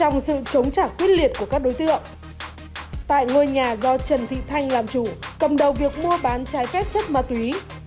tại ngôi nhà do trần thị thanh làm chủ cầm đầu việc mua bán trái phép chất ma túy